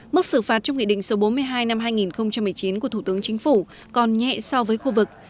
mức xử phạt trong nghị định số bốn mươi hai năm hai nghìn một mươi chín của thủ tướng chính phủ còn nhẹ so với khu vực